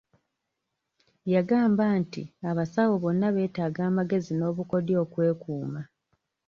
Yagamba nti abasawo bonna beetaaga amagezi n'obukodyo okwekuuma.